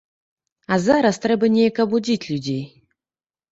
А зараз трэба неяк абудзіць людзей.